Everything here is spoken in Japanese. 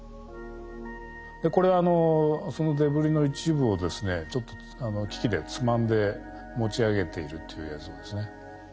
これそのデブリの一部をですねちょっと機器でつまんで持ち上げているという映像ですね。